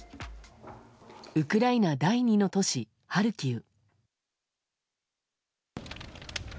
ウクライナ第２の都市ハルキウ。